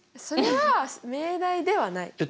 それは命題ではない。